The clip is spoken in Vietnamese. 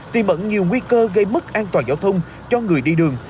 tìm ẩn nhiều nguy cơ gây mất an toàn giao thông cho người đi đường